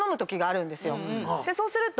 そうすると。